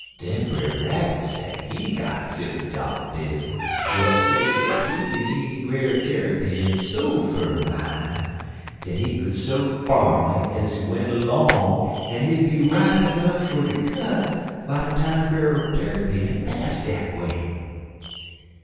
Den Brer Rabbit say he got a fifty dollar bill w'at say dat he kin leave Brer Tarrypin so fur behime, dat he could sow barley ez he went long en hit 'ud be ripe nuff fer ter cut by de time Brer Tarrypin pass dat way.